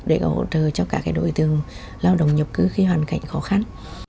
để hỗ trừ cho các cái đội tường lao động nhập cư khi hoàn cảnh khó khăn